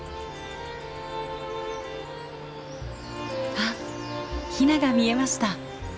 あヒナが見えました。